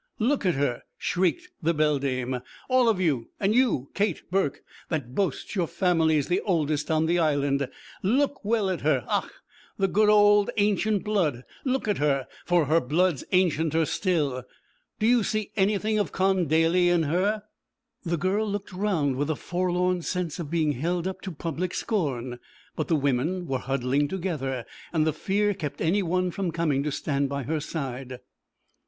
'Look at her,' shrieked the beldame, 'all of you, and you, Kate Burke, that boasts your family's the oldest on the Island. Look well at her! Och, the good ould ancient blood! Look at her, for her blood's ancienter still. Do you see anything of Con Daly in her?' The girl looked round with a forlorn sense of being held up to public scorn, but the women were huddling together, and the fear kept any one from coming to stand by her side.